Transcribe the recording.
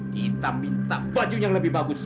kita minta baju yang lebih bagus